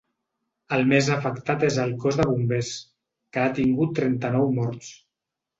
El més afectat és el cos de bombers, que ha tingut trenta-nou morts.